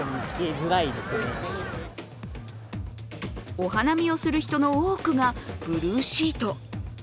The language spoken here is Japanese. お花見をする人の多くがブルーシート。